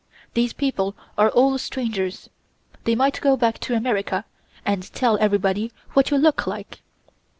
These people are all strangers. They might go back to America and tell everybody what you look like."